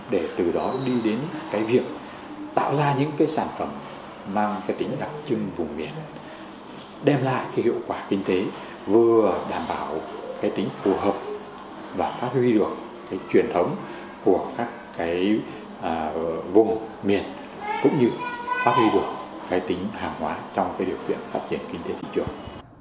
để từ đó đi đến cái việc tạo ra những cái sản phẩm mang cái tính đặc trưng vùng miền đem lại cái hiệu quả kinh tế vừa đảm bảo cái tính phù hợp và phát huy được cái truyền thống của các cái vùng miền cũng như phát huy được cái tính hàng hóa trong cái điều kiện phát triển kinh tế thị trường